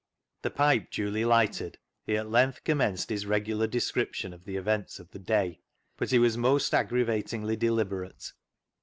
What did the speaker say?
The pipe duly lighted, he at length com menced his regular description of the events of the day. But he was most aggravatingly deliberate.